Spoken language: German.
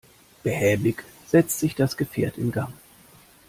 Behäbig setzt sich das Gefährt in Gang.